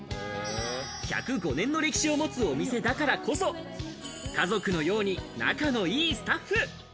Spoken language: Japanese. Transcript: １０５年の歴史を持つお店だからこそ、家族のように仲のいいスタッフ。